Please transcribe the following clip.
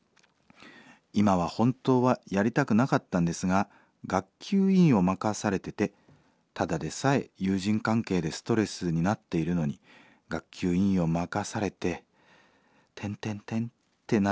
今は本当はやりたくなかったんですが学級委員を任されててただでさえ友人関係でストレスになっているのに学級委員を任されてってなると今すごくつらいです。